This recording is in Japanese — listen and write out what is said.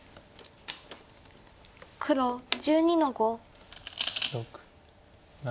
黒１２の五。